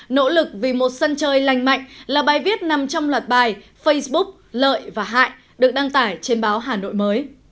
nỗ lực vì một sân chơi lành mạnh là bài viết nằm trong loạt bài facebook lợi và hại được đăng tải trên báo hà nội mới